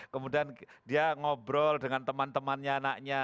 kemudian dia ngobrol dengan teman temannya anaknya